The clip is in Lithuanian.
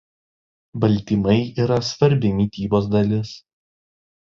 Baltymai yra svarbi mitybos dalis.